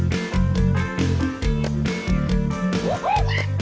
คู่กัดสวัสดิ์ข่าว